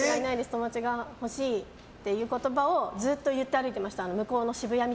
友達が欲しいっていう言葉をずっと言って歩いてました。